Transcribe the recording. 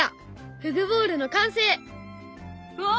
ふぐボールの完成！わ！